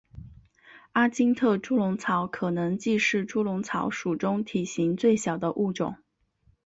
阿金特猪笼草可能既是猪笼草属中体型最小的物种。